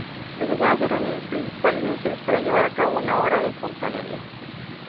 Estas son las herramientas principales necesarias para llevar a cabo una obra de fontanería.